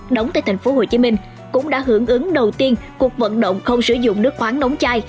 đóng tại tp hcm cũng đã hưởng ứng đầu tiên cuộc vận động không sử dụng nước khoáng nóng chai